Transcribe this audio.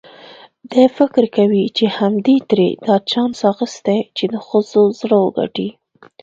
دی فکر کوي چې همدې ترې دا چانس اخیستی چې د ښځو زړه وګټي.